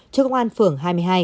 cho công an phưởng hai mươi hai